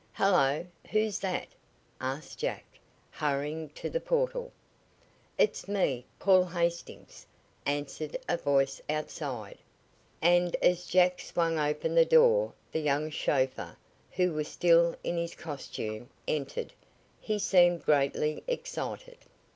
"Hello! Who's that?" asked Jack, hurrying to the portal. "It's me Paul Hastings," answered a voice outside, and as Jack swung open the door the young chauffeur, who was still in his costume, entered. He seemed greatly excited.